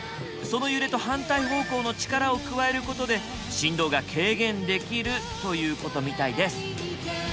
その揺れと反対方向の力を加えることで振動が軽減できるということみたいです。